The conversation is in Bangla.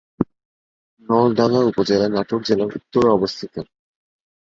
নলডাঙ্গা উপজেলা নাটোর জেলার উত্তরে অবস্থিত।